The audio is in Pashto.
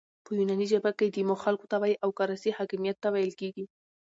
په یوناني ژبه کښي ديمو خلکو ته وایي او کراسي حاکمیت ته ویل کیږي.